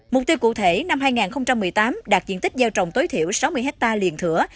mục tiêu cụ thể năm hai nghìn một mươi tám đạt diện tích gieo trồng tối thiểu sáu mươi hectare liền thửa